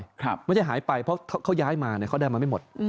ไม่ใช่หายไปเพราะเขาย้ายมาเนี่ยเขาได้มาไม่หมด